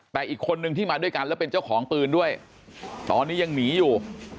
แต่อีกคนนึงที่มาด้วยกันแล้วเป็นเจ้าของปืนด้วยตอนนี้ยังหนีอยู่